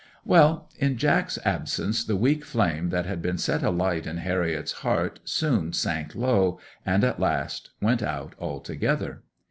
'Well, in Jack's absence the weak flame that had been set alight in Harriet's heart soon sank low, and at last went out altogether.